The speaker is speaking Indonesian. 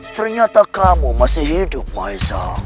ternyata kamu masih hidup maisa